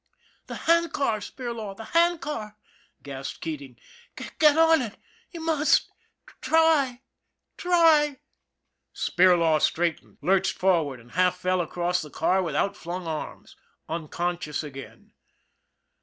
"The handcar, Spirlaw, the handcar!" gasped Keating. " Get on it. You must ! Try ! Try !" Spirlaw straightened, lurched forward, and fell half across the car with out flung arms unconscious again.